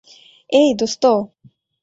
এই, দোস্ত।